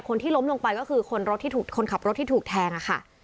คนที่ล้มลงไปก็คือคนรถที่ถูกคนขับรถที่ถูกแทงอะค่ะ